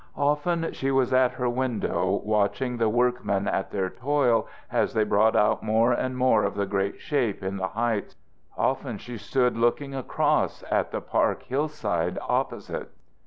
Often she was at her window, watching the workmen at their toil as they brought out more and more the great shape on the heights. Often she stood looking across at the park hillside opposite.